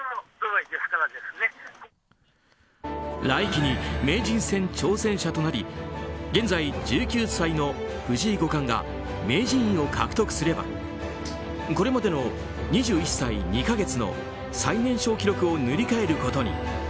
来期に名人戦挑戦者となり現在、１９歳の藤井五冠が名人位を獲得すればこれまでの２１歳２か月の最年少記録を塗り替えることに。